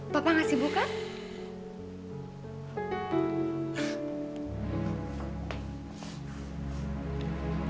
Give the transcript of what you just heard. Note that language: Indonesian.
bapak gak sibuk kan